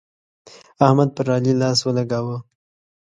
احمد پر علي لاس ولګاوو.